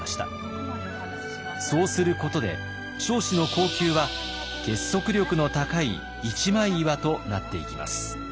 そうすることで彰子の後宮は結束力の高い一枚岩となっていきます。